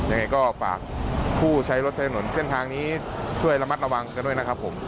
ยังไงก็ฝากผู้ใช้รถใช้ถนนเส้นทางนี้ช่วยระมัดระวังกันด้วยนะครับผม